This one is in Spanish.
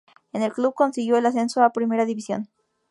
En el club consiguió el ascenso a Primera División.